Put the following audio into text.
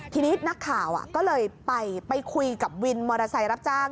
ทีนี้นักข่าวก็เลยไปคุยกับวินมอเตอร์ไซค์รับจ้าง